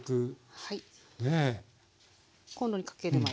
コンロにかける前ですね。